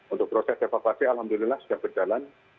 untuk proses evakuasi alhamdulillah sudah berjalan